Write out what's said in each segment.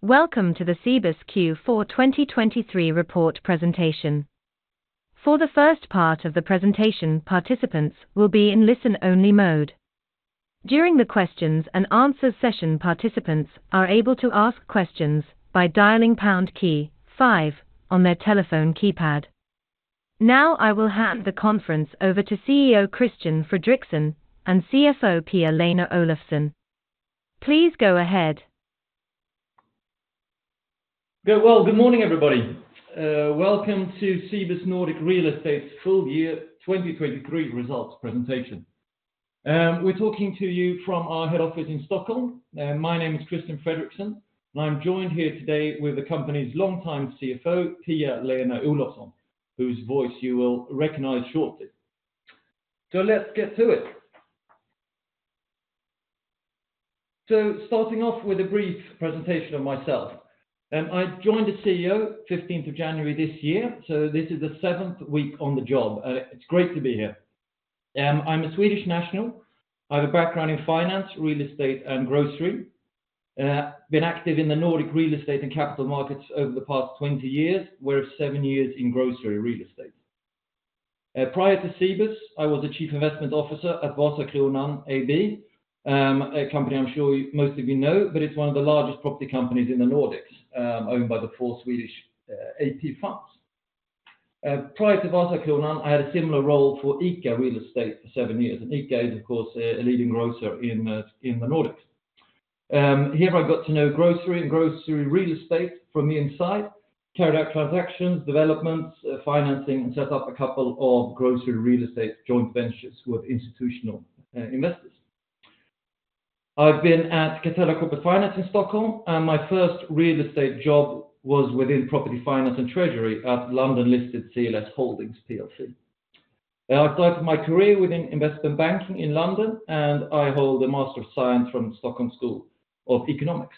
Welcome to the Cibus Q4 2023 report presentation. For the first part of the presentation, participants will be in listen-only mode. During the questions and answers session, participants are able to ask questions by dialing pound key five on their telephone keypad. Now I will hand the conference over to CEO Christian Fredrixon and CFO Pia-Lena Olofsson. Please go ahead. Well, good morning everybody. Welcome to Cibus Nordic Real Estate's full-year 2023 results presentation. We're talking to you from our head office in Stockholm. My name is Christian Fredrixon, and I'm joined here today with the company's longtime CFO, Pia-Lena Olofsson, whose voice you will recognize shortly. So let's get to it. So starting off with a brief presentation of myself. I joined as CEO 15th of January this year, so this is the seventh week on the job, and it's great to be here. I'm a Swedish national. I have a background in finance, real estate, and grocery. Been active in the Nordic real estate and capital markets over the past 20 years, whereas seven years in grocery real estate. Prior to Cibus, I was a Chief Investment Officer at Vasakronan AB, a company I'm sure most of you know, but it's one of the largest property companies in the Nordics, owned by the four Swedish AP funds. Prior to Vasakronan, I had a similar role for ICA Real Estate for seven years, and ICA is, of course, a leading grocer in the Nordics. Here I got to know grocery and grocery real estate from the inside, carried out transactions, developments, financing, and set up a couple of grocery real estate joint ventures with institutional investors. I've been at Catella Corporate Finance in Stockholm, and my first real estate job was within property finance and treasury at London-listed CLS Holdings PLC. I started my career within investment banking in London, and I hold a Master of Science from Stockholm School of Economics.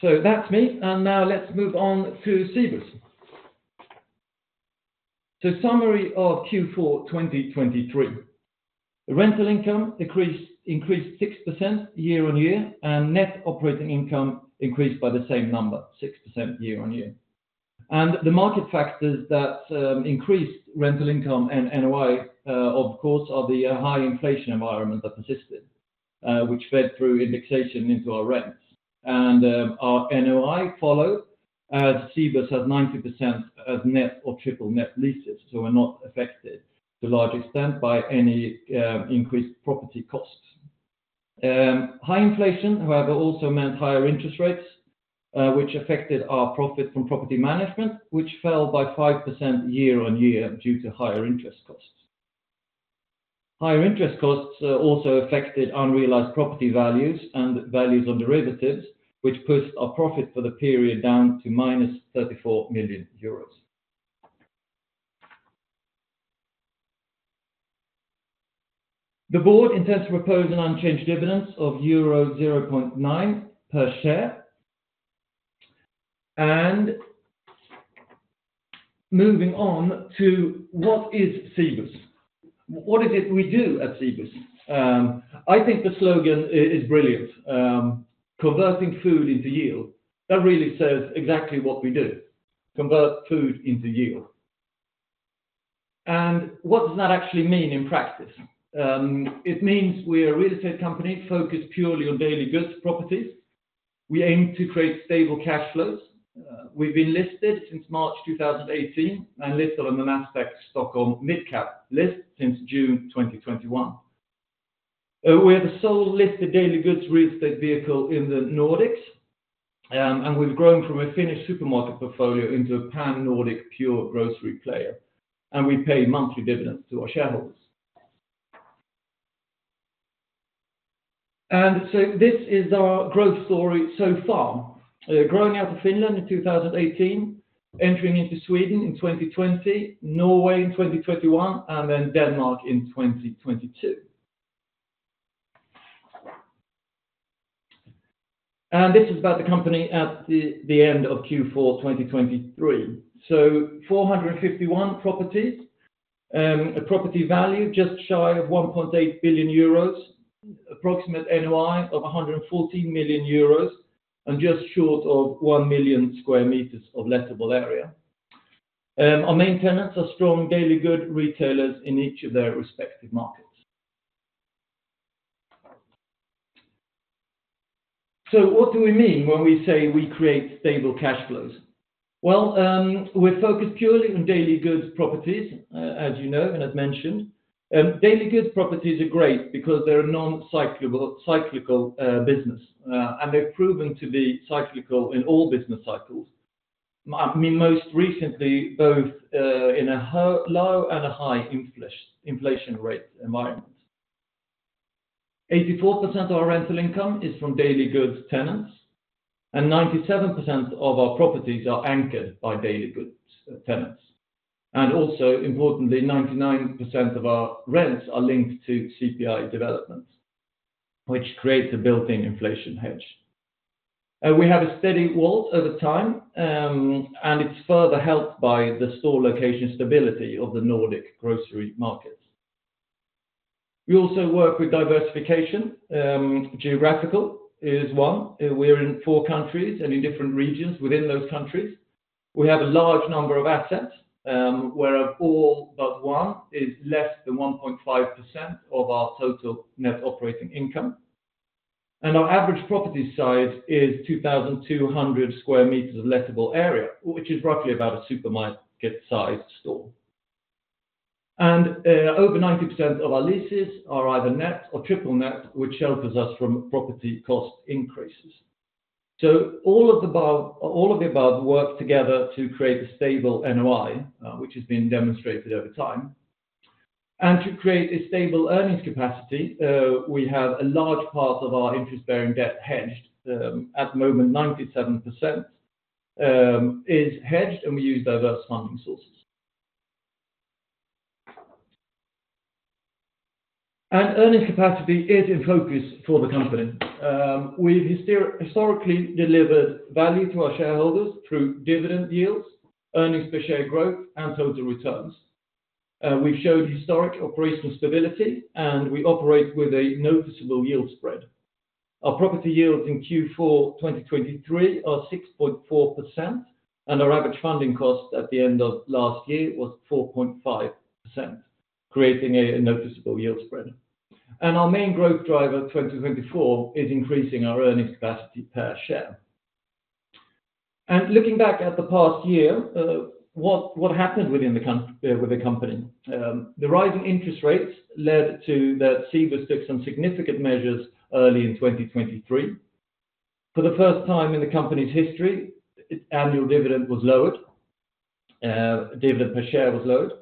So that's me, and now let's move on to Cibus. Summary of Q4 2023: rental income increased 6% year-over-year, and net operating income increased by the same number, 6% year-over-year. The market factors that increased rental income and NOI, of course, are the high inflation environment that persisted, which fed through indexation into our rents. Our NOI followed as Cibus has 90% as net or triple net leases, so we're not affected to a large extent by any increased property costs. High inflation, however, also meant higher interest rates, which affected our profit from property management, which fell by 5% year-over-year due to higher interest costs. Higher interest costs also affected unrealized property values and values on derivatives, which pushed our profit for the period down to minus 34 million euros. The board intends to propose an unchanged dividend of euro 0.9 per share. Moving on to what is Cibus? What is it we do at Cibus? I think the slogan is brilliant: "Converting food into yield." That really says exactly what we do: convert food into yield. What does that actually mean in practice? It means we're a real estate company focused purely on daily goods, properties. We aim to create stable cash flows. We've been listed since March 2018 and listed on the Nasdaq Stockholm Mid Cap list since June 2021. We're the sole listed daily goods real estate vehicle in the Nordics, and we've grown from a Finnish supermarket portfolio into a pan-Nordic pure grocery player, and we pay monthly dividends to our shareholders. And so this is our growth story so far: growing out of Finland in 2018, entering into Sweden in 2020, Norway in 2021, and then Denmark in 2022. This is about the company at the end of Q4 2023. 451 properties, a property value just shy of 1.8 billion euros, approximate NOI of 114 million euros, and just short of 1 million sqm of lettable area. Our main tenants are strong daily goods retailers in each of their respective markets. So what do we mean when we say we create stable cash flows? Well, we're focused purely on daily goods properties, as you know and had mentioned. Daily goods properties are great because they're a non-cyclical business, and they've proven to be cyclical in all business cycles. I mean, most recently, both in a low and a high inflation rate environment. 84% of our rental income is from daily goods tenants, and 97% of our properties are anchored by daily goods tenants. Also, importantly, 99% of our rents are linked to CPI developments, which creates a built-in inflation hedge. We have a steady WAULT over time, and it's further helped by the store location stability of the Nordic grocery markets. We also work with diversification. Geographical is one. We're in four countries and in different regions within those countries. We have a large number of assets, whereof all but one is less than 1.5% of our total net operating income. Our average property size is 2,200 sqm of lettable area, which is roughly about a supermarket-sized store. Over 90% of our leases are either net or triple net, which shelters us from property cost increases. So all of the above work together to create a stable NOI, which has been demonstrated over time. To create a stable earnings capacity, we have a large part of our interest-bearing debt hedged. At the moment, 97% is hedged, and we use diverse funding sources. Earnings capacity is in focus for the company. We've historically delivered value to our shareholders through dividend yields, earnings per share growth, and total returns. We've showed historic operational stability, and we operate with a noticeable yield spread. Our property yields in Q4 2023 are 6.4%, and our average funding cost at the end of last year was 4.5%, creating a noticeable yield spread. Our main growth driver 2024 is increasing our earnings capacity per share. Looking back at the past year, what happened within the company? The rising interest rates led to that Cibus took some significant measures early in 2023. For the first time in the company's history, annual dividend was lowered. Dividend per share was lowered,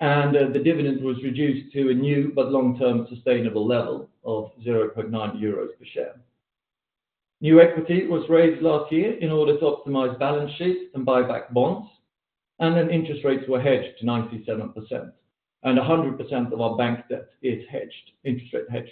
and the dividend was reduced to a new but long-term sustainable level of 0.9 euros per share. New equity was raised last year in order to optimize balance sheets and buy back bonds, and then interest rates were hedged to 97%, and 100% of our bank debt is hedged, interest rate hedged.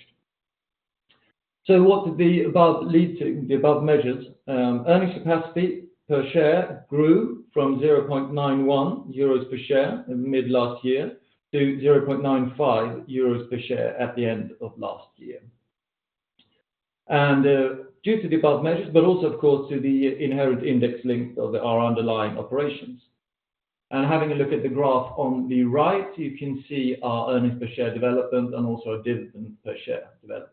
So what did the above lead to, the above measures? Earnings capacity per share grew from 0.91 euros per share mid-last year to 0.95 euros per share at the end of last year. And due to the above measures, but also, of course, to the inherent index link of our underlying operations. Having a look at the graph on the right, you can see our earnings per share development and also our dividend per share development.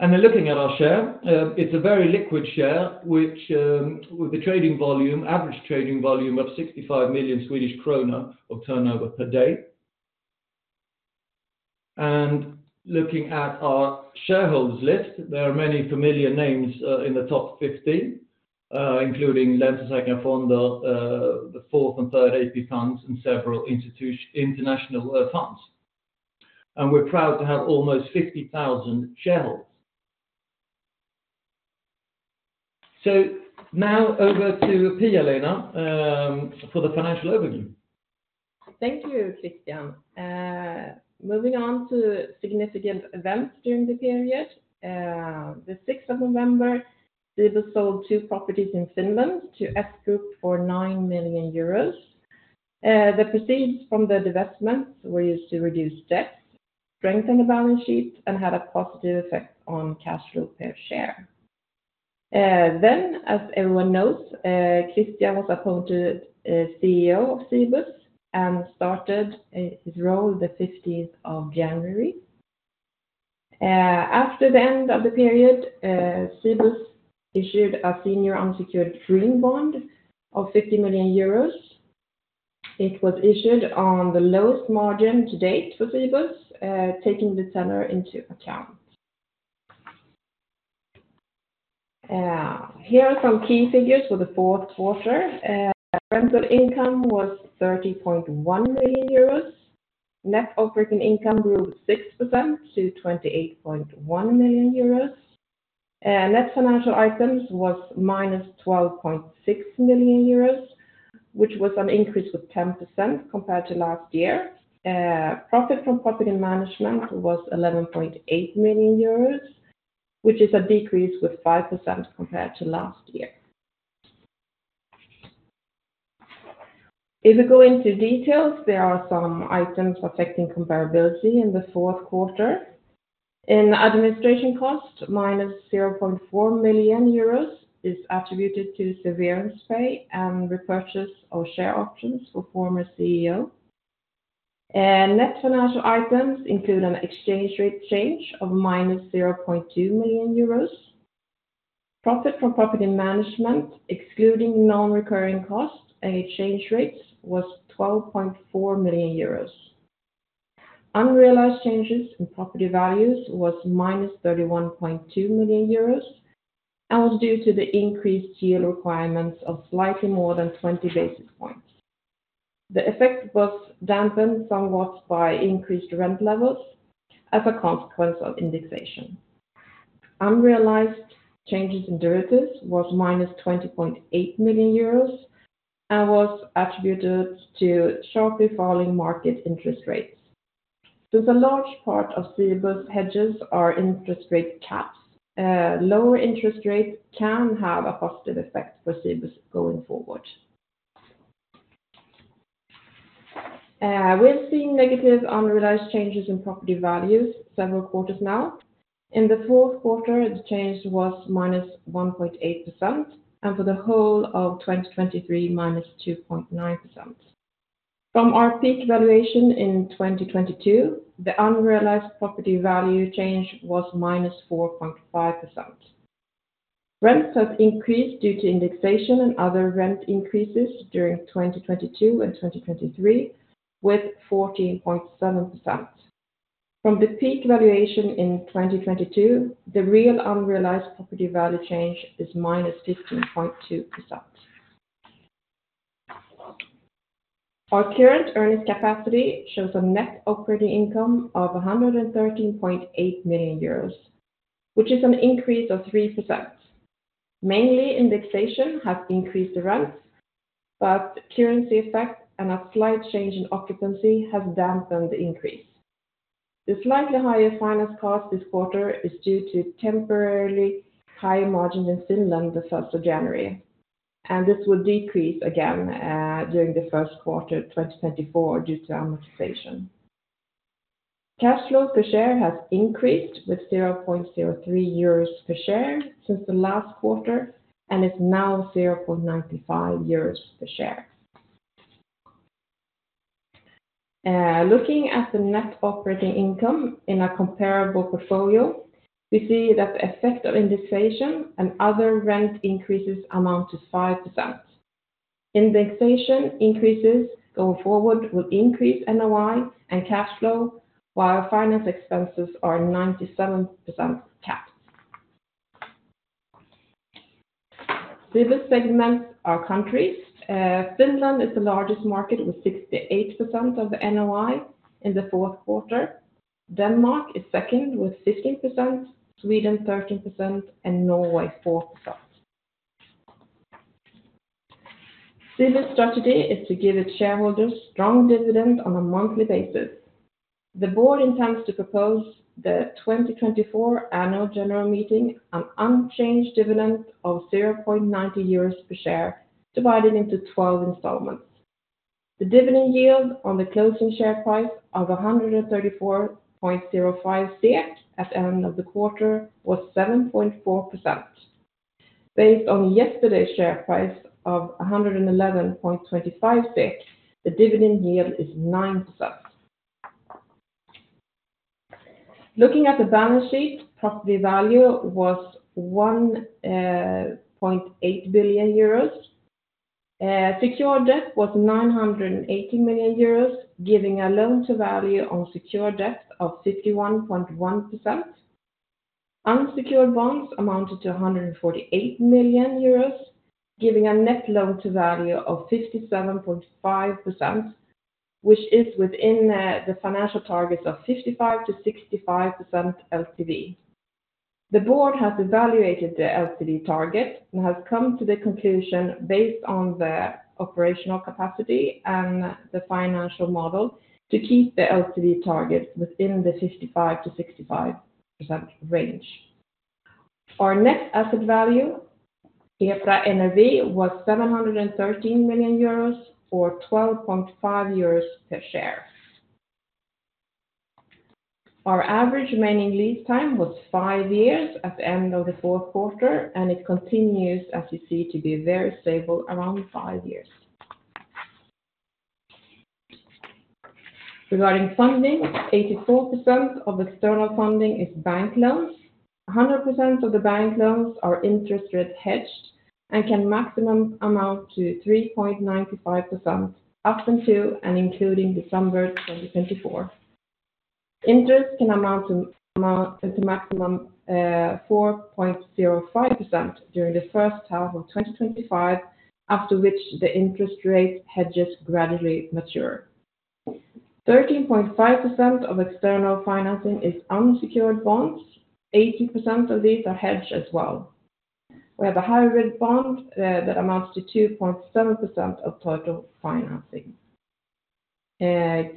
Then looking at our share, it's a very liquid share, with the trading volume, average trading volume of 65 million Swedish krona of turnover per day. Looking at our shareholders list, there are many familiar names in the top 50, including Länsförsäkringar Fonder, the fourth and third AP funds, and several international funds. We're proud to have almost 50,000 shareholders. So now over to Pia-Lena for the financial overview. Thank you, Christian. Moving on to significant events during the period. The 6th of November, Cibus sold two properties in Finland to S Group for 9 million euros. The proceeds from the divestments were used to reduce debts, strengthen the balance sheet, and had a positive effect on cash flow per share. Then, as everyone knows, Christian was appointed CEO of Cibus and started his role the 15th of January. After the end of the period, Cibus issued a senior unsecured green bond of 50 million euros. It was issued on the lowest margin to date for Cibus, taking the tenor into account. Here are some key figures for the fourth quarter. Rental income was 30.1 million euros. Net operating income grew with 6% to 28.1 million euros. Net financial items were minus 12.6 million euros, which was an increase with 10% compared to last year. Profit from property management was 11.8 million euros, which is a decrease with 5% compared to last year. If we go into details, there are some items affecting comparability in the fourth quarter. In administration costs, -0.4 million euros is attributed to severance pay and repurchase of share options for former CEO. Net financial items include an exchange rate change of -0.2 million euros. Profit from property management, excluding non-recurring costs and exchange rates, was 12.4 million euros. Unrealized changes in property values were -31.2 million euros and were due to the increased yield requirements of slightly more than 20 basis points. The effect was dampened somewhat by increased rent levels as a consequence of indexation. Unrealized changes in derivatives were -20.8 million euros and were attributed to sharply falling market interest rates. Since a large part of Cibus' hedges are interest rate caps, lower interest rates can have a positive effect for Cibus going forward. We've seen negative unrealized changes in property values several quarters now. In the fourth quarter, the change was -1.8%, and for the whole of 2023, -2.9%. From our peak valuation in 2022, the unrealized property value change was -4.5%. Rents have increased due to indexation and other rent increases during 2022 and 2023 with 14.7%. From the peak valuation in 2022, the real unrealized property value change is -15.2%. Our current earnings capacity shows a net operating income of 113.8 million euros, which is an increase of 3%. Mainly, indexation has increased the rents, but currency effect and a slight change in occupancy has dampened the increase. The slightly higher finance cost this quarter is due to temporarily higher margins in Finland the 1st of January, and this would decrease again during the first quarter of 2024 due to amortization. Cash flow per share has increased with 0.03 euros per share since the last quarter and is now 0.95 euros per share. Looking at the net operating income in a comparable portfolio, we see that the effect of indexation and other rent increases amount to 5%. Indexation increases going forward will increase NOI and cash flow, while finance expenses are 97% capped. Cibus segments are countries. Finland is the largest market with 68% of the NOI in the fourth quarter. Denmark is second with 15%, Sweden 13%, and Norway 4%. Cibus' strategy is to give its shareholders strong dividends on a monthly basis. The board intends to propose to the 2024 annual general meeting an unchanged dividend of 0.90 euros per share divided into 12 installments. The dividend yield on the closing share price of 134.05 at the end of the quarter was 7.4%. Based on yesterday's share price of 111.25 SEK, the dividend yield is 9%. Looking at the balance sheet, property value was 1.8 billion euros. Secured debt was 980 million euros, giving a loan-to-value on secured debt of 51.1%. Unsecured bonds amounted to 148 million euros, giving a net loan-to-value of 57.5%, which is within the financial targets of 55%-65% LTV. The board has evaluated the LTV target and has come to the conclusion, based on the operational capacity and the financial model, to keep the LTV targets within the 55%-65% range. Our net asset value, EPRA NRV, was 713 million euros or 12.5 euros per share. Our average remaining lease time was five years at the end of the fourth quarter, and it continues, as you see, to be very stable around five years. Regarding funding, 84% of external funding is bank loans. 100% of the bank loans are interest rate hedged and can maximum amount to 3.95% up until and including December 2024. Interest can amount to maximum 4.05% during the first half of 2025, after which the interest rate hedges gradually mature. 13.5% of external financing is unsecured bonds. 80% of these are hedged as well. We have a hybrid bond that amounts to 2.7% of total financing.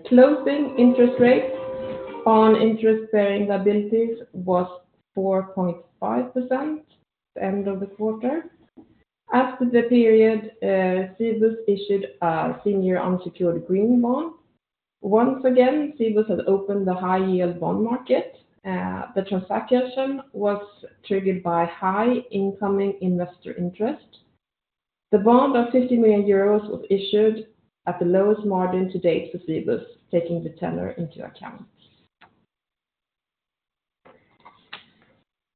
Closing interest rate on interest-bearing liabilities was 4.5% at the end of the quarter. After the period, Cibus issued a senior unsecured green bond. Once again, Cibus has opened the high-yield bond market. The transaction was triggered by high incoming investor interest. The bond of 50 million euros was issued at the lowest margin to date for Cibus, taking the tenor into account.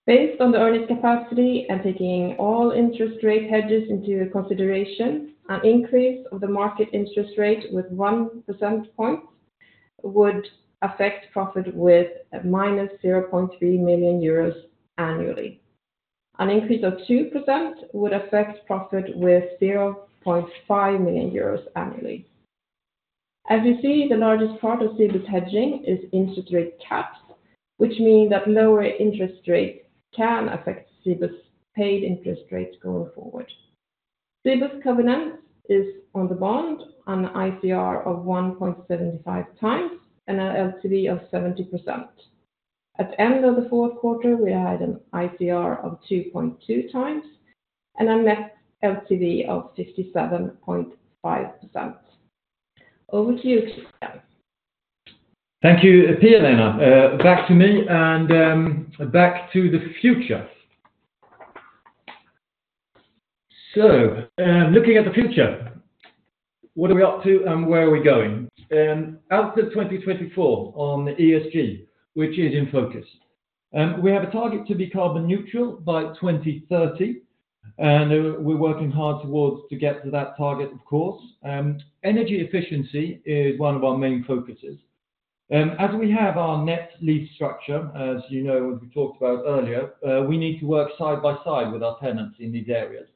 Based on the earnings capacity and taking all interest rate hedges into consideration, an increase of the market interest rate with 1 percentage point would affect profit with -0.3 million euros annually. An increase of 2% would affect profit with 0.5 million euros annually. As you see, the largest part of Cibus's hedging is interest rate caps, which mean that lower interest rates can affect Cibus's paid interest rates going forward. Cibus's covenants are on the bond, an ICR of 1.75x and an LTV of 70%. At the end of the fourth quarter, we had an ICR of 2.2x and a net LTV of 57.5%. Over to you, Christian. Thank you, Pia-Lena. Back to me and back to the future. So looking at the future, what are we up to and where are we going? Outlook 2024 on the ESG, which is in focus. We have a target to be carbon neutral by 2030, and we're working hard towards to get to that target, of course. Energy efficiency is one of our main focuses. As we have our net lease structure, as you know, as we talked about earlier, we need to work side by side with our tenants in these areas.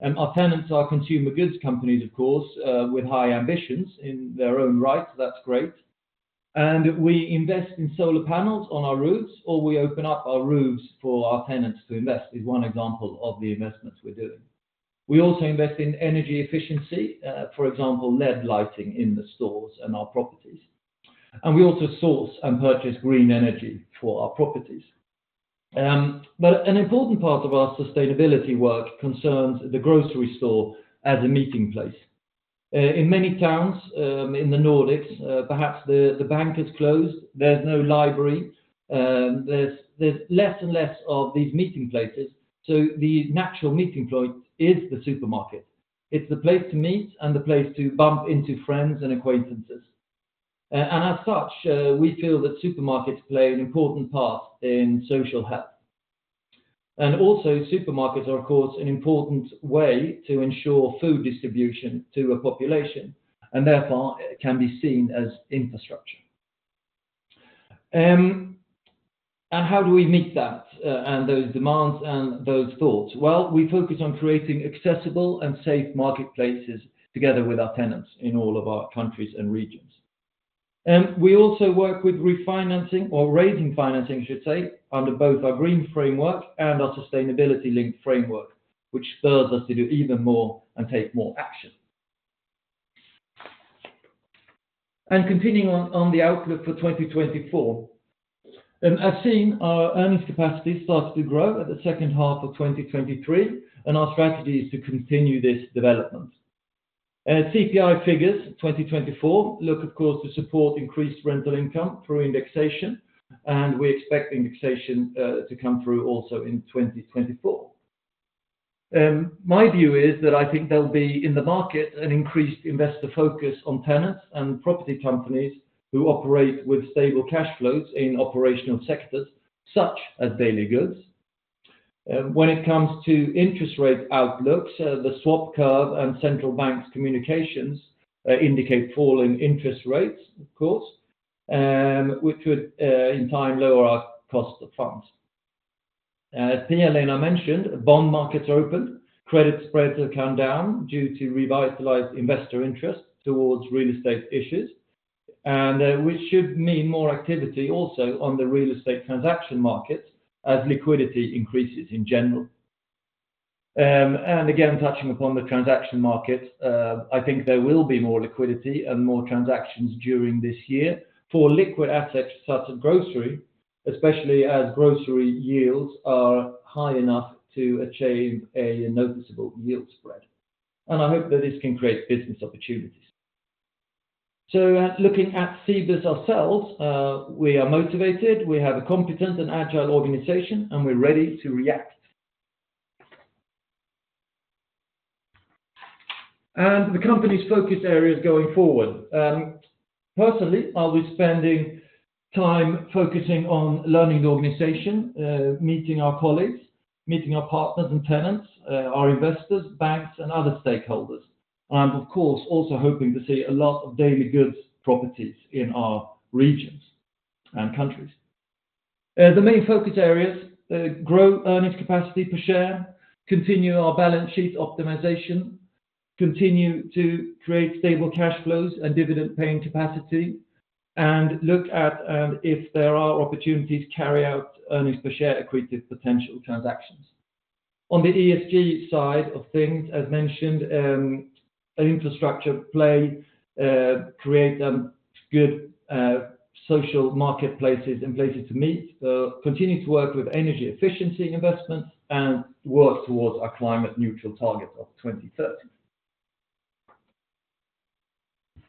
Our tenants are consumer goods companies, of course, with high ambitions in their own right. That's great. And we invest in solar panels on our roofs, or we open up our roofs for our tenants to invest, is one example of the investments we're doing. We also invest in energy efficiency, for example, LED lighting in the stores and our properties. We also source and purchase green energy for our properties. But an important part of our sustainability work concerns the grocery store as a meeting place. In many towns in the Nordics, perhaps the bank has closed. There's no library. There's less and less of these meeting places. So the natural meeting point is the supermarket. It's the place to meet and the place to bump into friends and acquaintances. And as such, we feel that supermarkets play an important part in social health. And also, supermarkets are, of course, an important way to ensure food distribution to a population, and therefore it can be seen as infrastructure. And how do we meet that and those demands and those thoughts? Well, we focus on creating accessible and safe marketplaces together with our tenants in all of our countries and regions. We also work with refinancing or raising financing, I should say, under both our green framework and our sustainability-linked framework, which spurs us to do even more and take more action. Continuing on the outlook for 2024, as seen, our earnings capacity started to grow at the second half of 2023, and our strategy is to continue this development. CPI figures 2024 look, of course, to support increased rental income through indexation, and we expect indexation to come through also in 2024. My view is that I think there will be in the market an increased investor focus on tenants and property companies who operate with stable cash flows in operational sectors such as daily goods. When it comes to interest rate outlooks, the swap curve and central banks' communications indicate falling interest rates, of course, which would in time lower our cost of funds. As Pia-Lena mentioned, bond markets opened. Credit spreads have come down due to revitalized investor interest towards real estate issues, which should mean more activity also on the real estate transaction markets as liquidity increases in general. Again, touching upon the transaction markets, I think there will be more liquidity and more transactions during this year for liquid assets such as grocery, especially as grocery yields are high enough to achieve a noticeable yield spread. I hope that this can create business opportunities. Looking at Cibus ourselves, we are motivated. We have a competent and agile organization, and we're ready to react. The company's focus areas going forward. Personally, I'll be spending time focusing on learning the organization, meeting our colleagues, meeting our partners and tenants, our investors, banks, and other stakeholders. I'm, of course, also hoping to see a lot of daily goods properties in our regions and countries. The main focus areas grow earnings capacity per share, continue our balance sheet optimization, continue to create stable cash flows and dividend-paying capacity, and look at if there are opportunities to carry out earnings per share accretive potential transactions. On the ESG side of things, as mentioned, an infrastructure play creates good social marketplaces and places to meet, continue to work with energy efficiency investments, and work towards our climate-neutral target of 2030.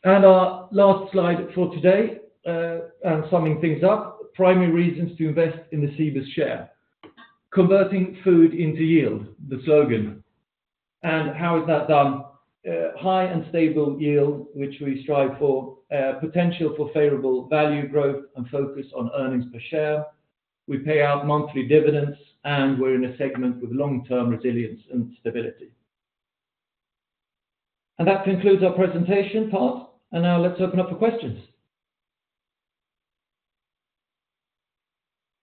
Our last slide for today and summing things up, primary reasons to invest in the Cibus share. Converting food into yield, the slogan. And how is that done? High and stable yield, which we strive for, potential for favorable value growth, and focus on earnings per share. We pay out monthly dividends, and we're in a segment with long-term resilience and stability. That concludes our presentation part. Now let's open up for questions.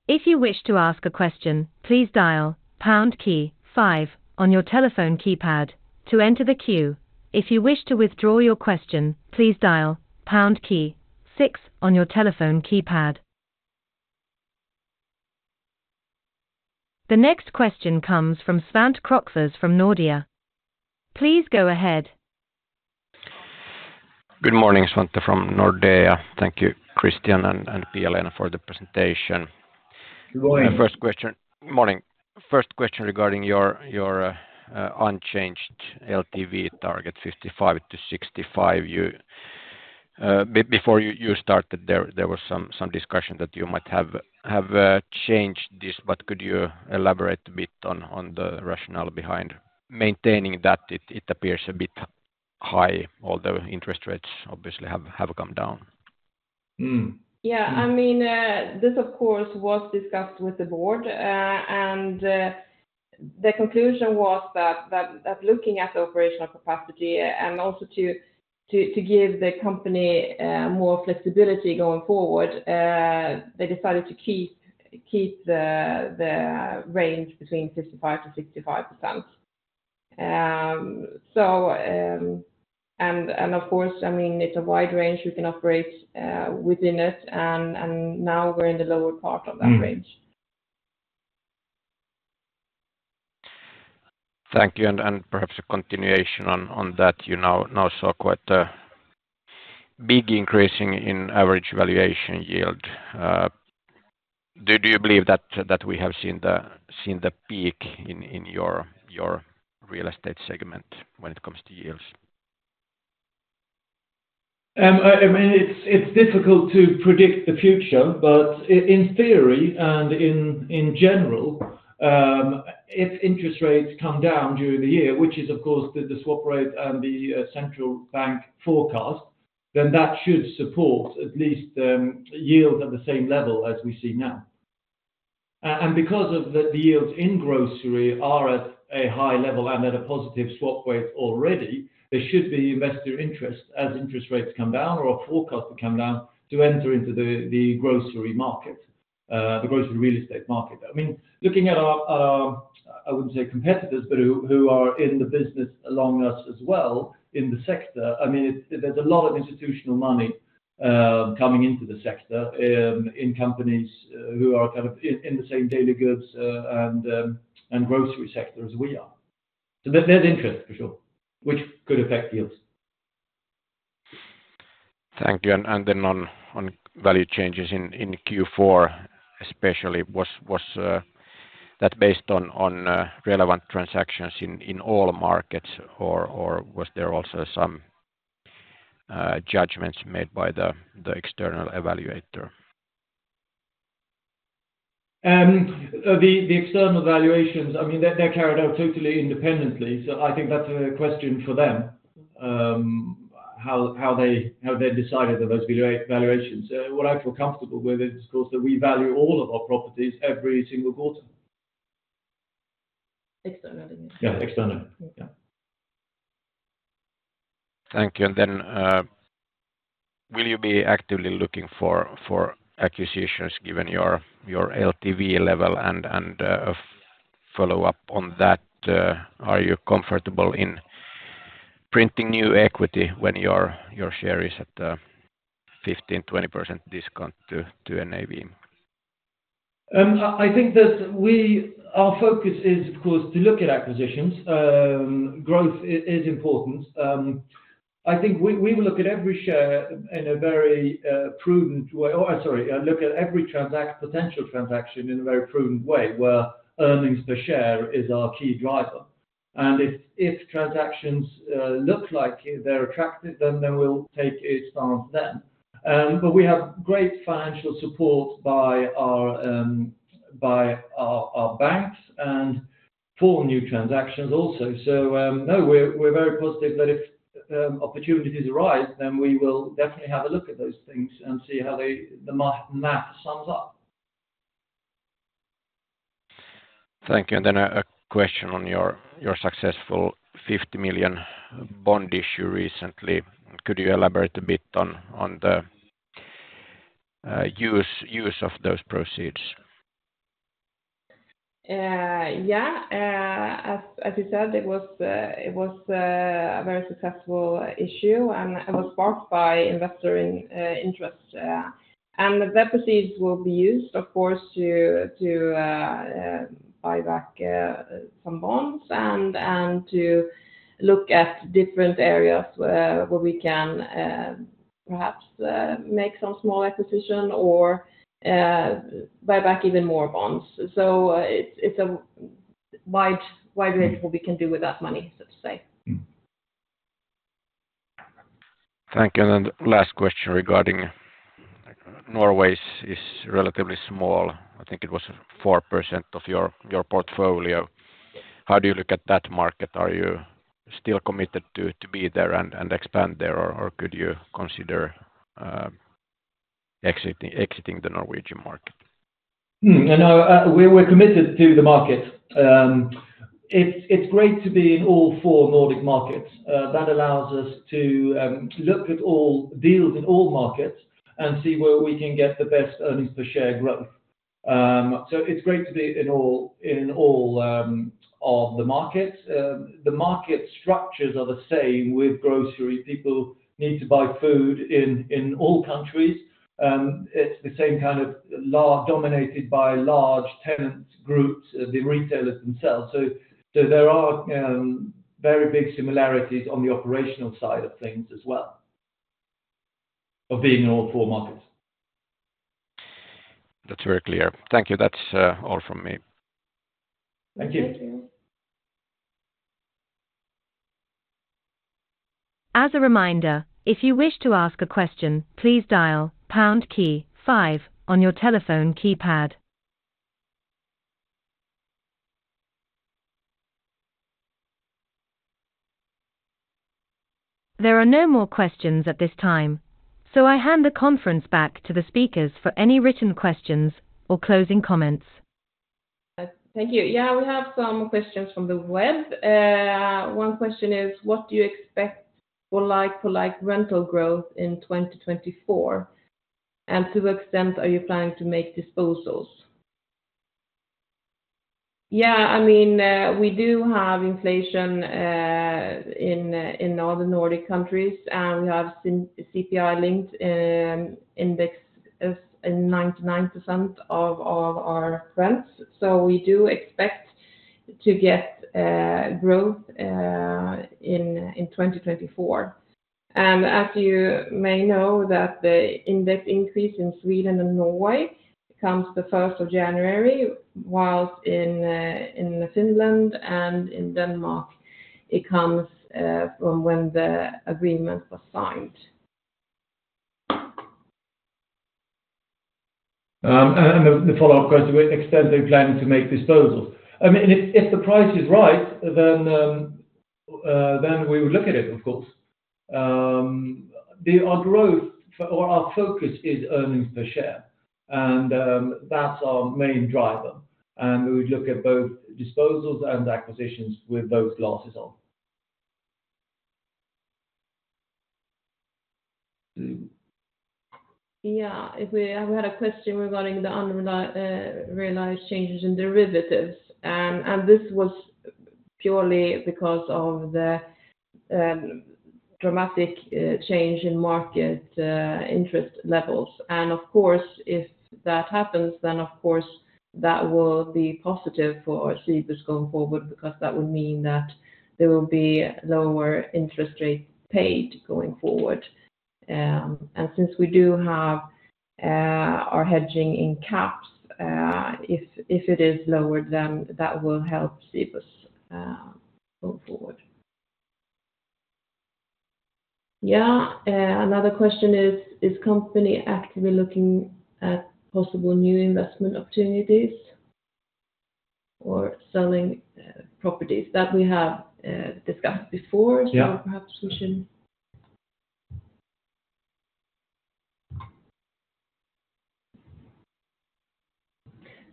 If you wish to ask a question, please dial pound key five on your telephone keypad to enter the queue. If you wish to withdraw your question, please dial pound key six on your telephone keypad. The next question comes from Svante Krokfors from Nordea. Please go ahead. Good morning, Svante from Nordea. Thank you, Christian and Pia-Lena, for the presentation. Good morning. First question regarding your unchanged LTV target, 55%-65%. Before you started, there was some discussion that you might have changed this, but could you elaborate a bit on the rationale behind maintaining that it appears a bit high, although interest rates obviously have come down? Yeah, I mean, this, of course, was discussed with the board. And the conclusion was that looking at operational capacity and also to give the company more flexibility going forward, they decided to keep the range between 55%-65%. And of course, I mean, it's a wide range you can operate within it. And now we're in the lower part of that range. Thank you. Perhaps a continuation on that, you now saw quite a big increase in average valuation yield. Do you believe that we have seen the peak in your real estate segment when it comes to yields? I mean, it's difficult to predict the future, but in theory and in general, if interest rates come down during the year, which is, of course, the swap rate and the central bank forecast, then that should support at least yields at the same level as we see now. And because the yields in grocery are at a high level and at a positive swap rate already, there should be investor interest as interest rates come down or a forecast that come down to enter into the grocery market, the grocery real estate market. I mean, looking at our, I wouldn't say competitors, but who are in the business along us as well in the sector, I mean, there's a lot of institutional money coming into the sector in companies who are kind of in the same daily goods and grocery sector as we are. There's interest for sure, which could affect yields. Thank you. And then on value changes in Q4 especially, was that based on relevant transactions in all markets, or was there also some judgments made by the external evaluator? The external valuations, I mean, they're carried out totally independently. So I think that's a question for them, how they decided on those valuations. What I feel comfortable with is, of course, that we value all of our properties every single quarter. External, I mean. Yeah, external. Yeah. Thank you. And then will you be actively looking for acquisitions given your LTV level and follow up on that? Are you comfortable in printing new equity when your share is at a 15%-20% discount to NAV? I think that our focus is, of course, to look at acquisitions. Growth is important. I think we will look at every share in a very prudent way or sorry, look at every potential transaction in a very prudent way where earnings per share is our key driver. And if transactions look like they're attractive, then we'll take a stance then. But we have great financial support by our banks and for new transactions also. So no, we're very positive that if opportunities arise, then we will definitely have a look at those things and see how the math sums up. Thank you. And then a question on your successful 50 million bond issue recently. Could you elaborate a bit on the use of those proceeds? Yeah. As you said, it was a very successful issue, and it was sparked by investor interest. The proceeds will be used, of course, to buy back some bonds and to look at different areas where we can perhaps make some small acquisition or buy back even more bonds. It's a wide range of what we can do with that money, so to say. Thank you. And then last question regarding Norway is relatively small. I think it was 4% of your portfolio. How do you look at that market? Are you still committed to be there and expand there, or could you consider exiting the Norwegian market? No, we're committed to the market. It's great to be in all four Nordic markets. That allows us to look at all deals in all markets and see where we can get the best earnings per share growth. So it's great to be in all of the markets. The market structures are the same with grocery. People need to buy food in all countries. It's the same kind of dominated by large tenant groups, the retailers themselves. So there are very big similarities on the operational side of things as well, of being in all four markets. That's very clear. Thank you. That's all from me. Thank you. Thank you. As a reminder, if you wish to ask a question, please dial pound key five on your telephone keypad. There are no more questions at this time, so I hand the conference back to the speakers for any written questions or closing comments. Thank you. Yeah, we have some questions from the web. One question is, what do you expect or like for rental growth in 2024? And to what extent are you planning to make disposals? Yeah, I mean, we do have inflation in all the Nordic countries, and we have CPI-linked index as 99% of our rents. So we do expect to get growth in 2024. And as you may know, the index increase in Sweden and Norway comes the 1st of January, whilst in Finland and in Denmark, it comes from when the agreement was signed. The follow-up question, to what extent are you planning to make disposals? I mean, if the price is right, then we would look at it, of course. Our growth or our focus is earnings per share, and that's our main driver. We would look at both disposals and acquisitions with those glasses on. Yeah, we had a question regarding the unrealized changes in derivatives. This was purely because of the dramatic change in market interest levels. Of course, if that happens, then of course, that will be positive for Cibus going forward because that would mean that there will be lower interest rates paid going forward. Since we do have our hedging in caps, if it is lowered, then that will help Cibus go forward. Yeah. Another question is, is the company actively looking at possible new investment opportunities or selling properties? That we have discussed before, so perhaps we should.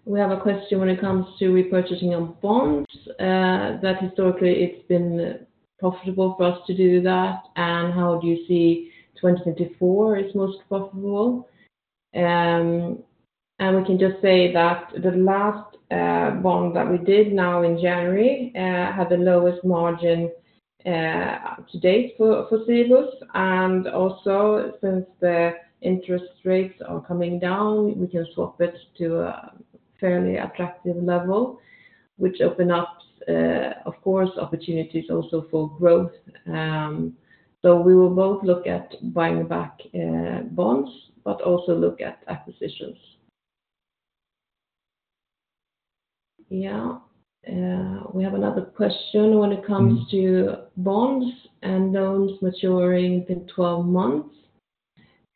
We have a question when it comes to repurchasing on bonds that historically, it's been profitable for us to do that. How do you see 2024 is most profitable? We can just say that the last bond that we did now in January had the lowest margin to date for Cibus. And also, since the interest rates are coming down, we can swap it to a fairly attractive level, which opens up, of course, opportunities also for growth. So we will both look at buying back bonds but also look at acquisitions. Yeah. We have another question when it comes to bonds and loans maturing within 12 months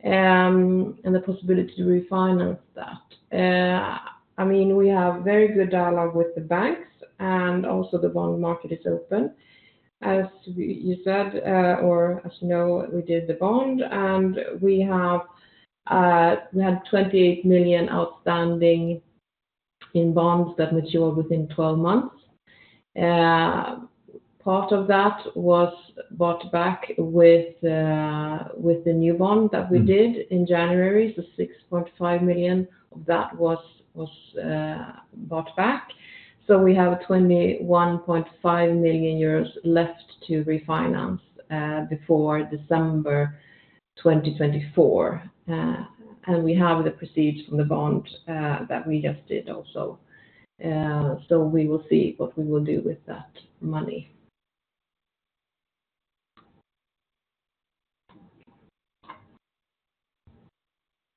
and the possibility to refinance that. I mean, we have very good dialogue with the banks, and also the bond market is open, as you said, or as you know, we did the bond. And we had 28 million outstanding in bonds that matured within 12 months. Part of that was bought back with the new bond that we did in January. So 6.5 million of that was bought back. We have 21.5 million euros left to refinance before December 2024. We have the proceeds from the bond that we just did also. We will see what we will do with that money.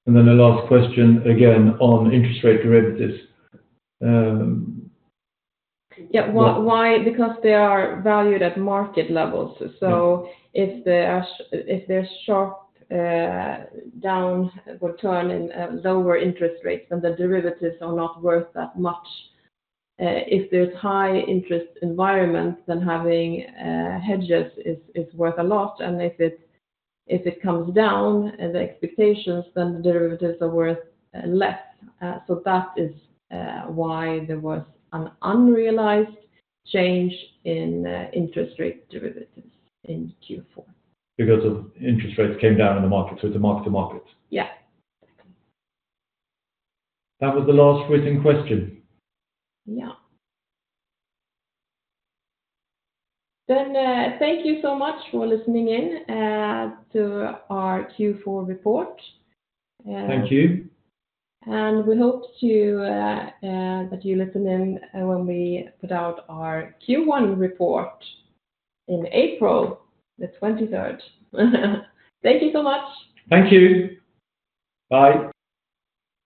And then the last question again on interest rate derivatives. Yeah, because they are valued at market levels. So if there's a sharp downturn in lower interest rates, then the derivatives are not worth that much. If there's a high interest environment, then having hedges is worth a lot. And if it comes down, the expectations, then the derivatives are worth less. So that is why there was an unrealized change in interest rate derivatives in Q4. Because interest rates came down in the market. So it's a mark-to-market. Yeah, exactly. That was the last written question. Yeah. Thank you so much for listening in to our Q4 report. Thank you. We hope that you listen in when we put out our Q1 report in April the 23rd. Thank you so much. Thank you. Bye.